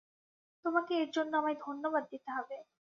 তোমাকে এর জন্য আমায় ধন্যবাদ দিতে হবে।